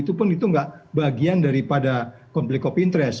itu pun itu nggak bagian daripada konflik of interest